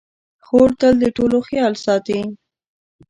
خور تل د ټولو خیال ساتي.